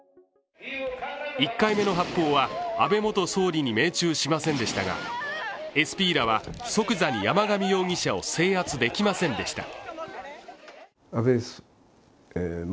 １回目の発砲は、安倍元総理に命中しませんでしたが、ＳＰらは即座に山上容疑者を制圧できませんでした。